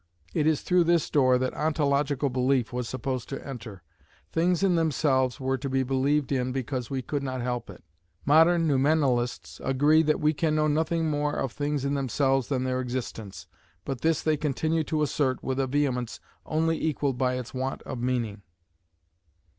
It is through this door that ontological belief was supposed to enter. "Things in themselves" were to be believed in because we could not help it. Modern Noumenalists agree that we can know nothing more of "things in themselves" than their existence, but this they continue to assert with a vehemence only equalled by its want of meaning.